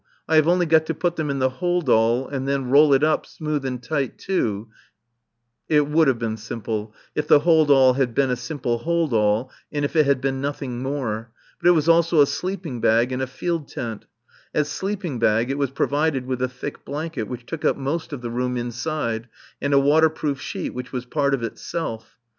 I have only got to put them in the hold all and then roll it up, smooth and tight, too It would have been simple, if the hold all had been a simple hold all and if it had been nothing more. But it was also a sleeping bag and a field tent. As sleeping bag, it was provided with a thick blanket which took up most of the room inside, and a waterproof sheet which was part of itself.